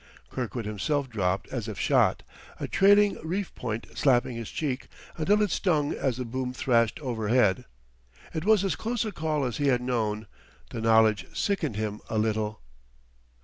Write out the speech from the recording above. Kirkwood himself dropped as if shot, a trailing reef point slapping his cheek until it stung as the boom thrashed overhead. It was as close a call as he had known; the knowledge sickened him a little.